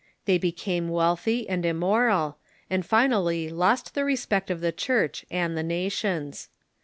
They became wealthy and immoral, and finally lost the respect of the Church and the nations.